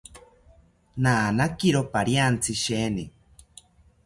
Nanakiro pariantzi sheeni